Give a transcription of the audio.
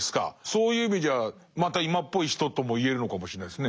そういう意味じゃまた今っぽい人とも言えるのかもしれないですね。